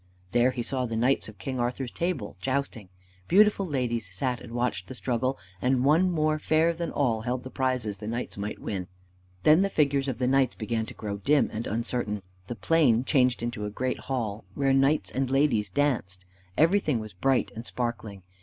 There he saw the knights of King Arthur's Table jousting. Beautiful ladies sat and watched the struggle, and one more fair than all held the prizes the knights might win. Then the figures of the knights began to grow dim and uncertain. The plain changed into a great hall where knights and ladies danced. Everything was bright and sparkling.